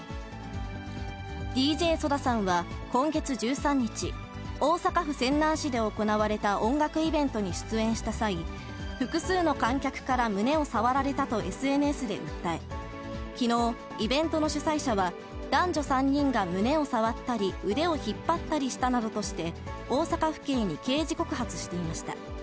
ＤＪＳＯＤＡさんは今月１３日、大阪府泉南市で行われた音楽イベントに出演した際、複数の観客から胸を触られたとＳＮＳで訴え、きのう、イベントの主催者は、男女３人が胸を触ったり、腕を引っ張ったりしたなどとして、大阪府警に刑事告発していました。